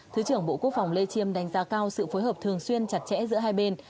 thứ trưởng bộ quốc phòng lê chiêm đánh giá cao sự phối hợp thường xuyên chặt chẽ giữa hai bên